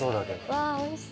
うわーおいしそう。